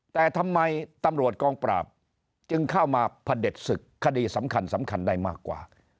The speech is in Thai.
แต่ทำไมตำรวจกองปราบจึงเข้ามาพระเด็จศึกคดีสำคัญสำคัญได้มากกว่า